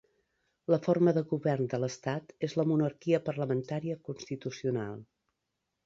La forma de govern de l'Estat és la monarquia parlamentària constitucional.